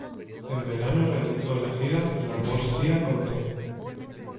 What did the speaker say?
En verano realizó la gira L'amore sia con te.